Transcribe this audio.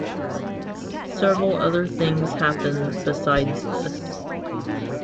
Several other things happen besides this.